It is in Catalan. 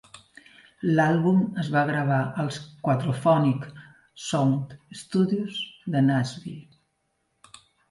L'àlbum es va gravar als Quadrophonic Sound Studios de Nashville.